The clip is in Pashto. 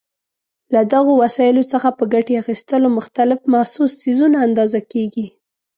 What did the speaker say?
له دغو وسایلو څخه په ګټې اخیستلو مختلف محسوس څیزونه اندازه کېږي.